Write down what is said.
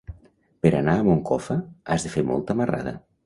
Per anar a Moncofa has de fer molta marrada.